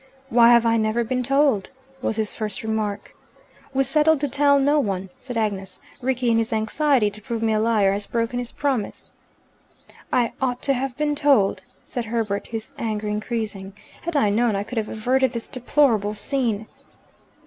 "Why have I never been told?" was his first remark. "We settled to tell no one," said Agnes. "Rickie, in his anxiety to prove me a liar, has broken his promise." "I ought to have been told," said Herbert, his anger increasing. "Had I known, I could have averted this deplorable scene."